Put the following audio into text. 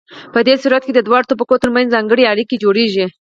په دې صورت کې د دواړو طبقو ترمنځ ځانګړې اړیکې جوړیږي.